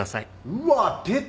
うわっ出た！